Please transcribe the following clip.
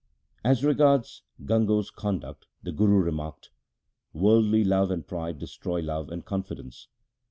As regards Gango' s conduct the Guru remarked, ' Worldly love and pride destroy love and con fidence.